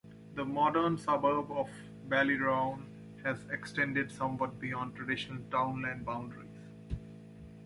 The modern suburb of Ballyroan has extended somewhat beyond the traditional townland boundaries.